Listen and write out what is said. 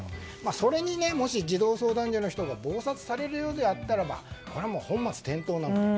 それに、児童相談所の人が忙殺されるようであればこれは本末転倒です。